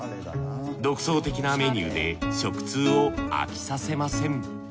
独創的なメニューで食通を飽きさせません。